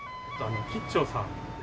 吉兆さんで。